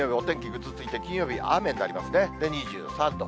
ぐずついて、金曜日、雨になりますね、２３度。